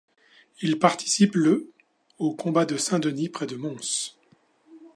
Il participe le au combat de Saint-Denis près de Mons.